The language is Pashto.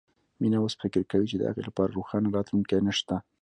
مينه اوس فکر کوي چې د هغې لپاره روښانه راتلونکی نه شته